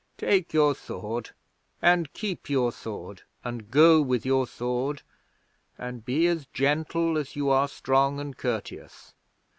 Take your sword, and keep your sword, and go with your sword, and be as gentle as you are strong and courteous.